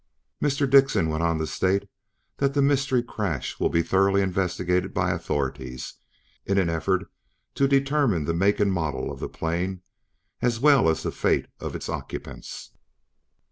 Mr. Dickson went on to state that the mystery crash will be thoroughly investigated by authorities in an effort to determine the make and model of the plane, as well as the fate of its occupants.